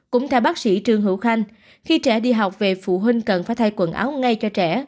cũng theo bác sĩ trương hữu khanh khi trẻ đi học về phụ huynh cần phải thay quần áo ngay cho trẻ